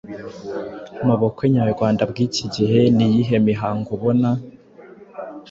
Mu bukwe nyarwanda bw’iki gihe ni iyihe mihango ubona